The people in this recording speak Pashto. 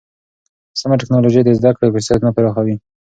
سمه ټکنالوژي د زده کړې فرصتونه پراخوي.